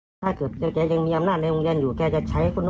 ออนไลน์กันอย่างมีความสุขครับ